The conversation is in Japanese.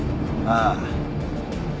ああ。